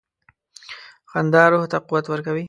• خندا روح ته قوت ورکوي.